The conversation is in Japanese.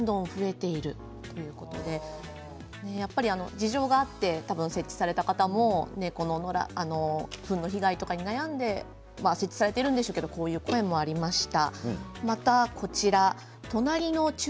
事情があって設置された方も猫のフンの被害に悩んで設置されているんでしょうけどこういう声もありました。